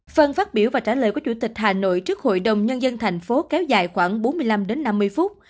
phần phát biểu và trả lời của chủ tịch hà nội trước hội đồng nhân dân thành phố kéo dài khoảng bốn mươi năm đến năm mươi phút